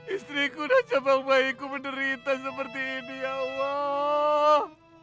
istriku dan jamu bayiku menderita seperti ini ya allah